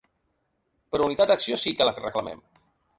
Però unitat d’acció sí que la reclamem.